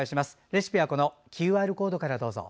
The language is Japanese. レシピは、ＱＲコードからどうぞ。